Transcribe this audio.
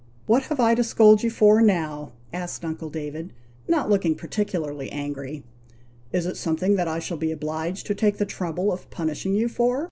what have I to scold you for now?" asked uncle David, not looking particularly angry. "Is it something that I shall be obliged to take the trouble of punishing you for?